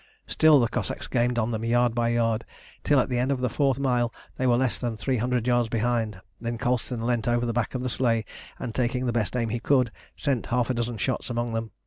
Still the Cossacks gained on them yard by yard, till at the end of the fourth mile they were less than three hundred yards behind. Then Colston leant over the back of the sleigh, and taking the best aim he could, sent half a dozen shots among them.